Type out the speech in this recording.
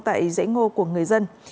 tại dãy ngô của người dân